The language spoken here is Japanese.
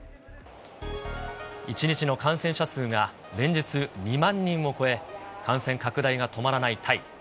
１日の感染者数が連日２万人を超え、感染拡大が止まらないタイ。